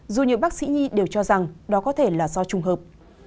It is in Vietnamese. dù nhiều bác sĩ nhi đều cho rằng đó có thể là do trùng hợp